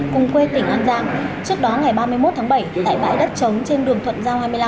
cùng quê tỉnh an giang trước đó ngày ba mươi một tháng bảy tại bãi đất trống trên đường thuận giao hai mươi năm